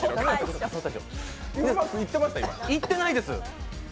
いってないです。